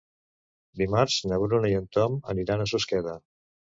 Dimarts na Bruna i en Ton aniran a Susqueda.